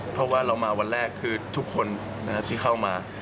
เพราะว่าเรามาวันแรกคือทุกคนที่เข้ามา